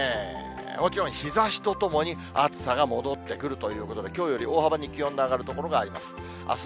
もちろん日ざしとともに暑さが戻ってくるということで、きょうより大幅に気温の上がる所があります。